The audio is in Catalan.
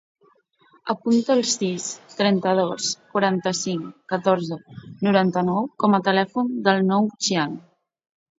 Apunta el sis, trenta-dos, quaranta-cinc, catorze, noranta-nou com a telèfon del Nouh Xiang.